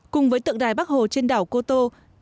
cùng với tượng đài bắc hồ trên đảo cô tô